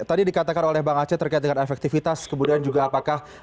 tadi dikatakan oleh bang aceh terkait dengan efektivitas kemudian juga apakah